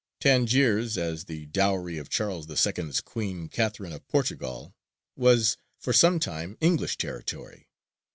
Tangiers, as the dowry of Charles II.'s Queen, Catherine of Portugal, was for some time English territory.